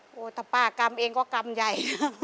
โอ้โฮแต่ป้ากรัมเองก็กรัมใหญ่